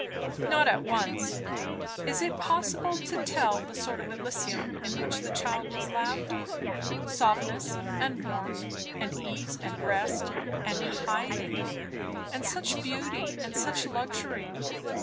Not at once. Is it possible to tell the sort of Elysium in which the child was lapped? Softness and warmth and ease and rest, and hiding, and such beauty and such luxury!